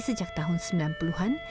sejak tahun sembilan puluh an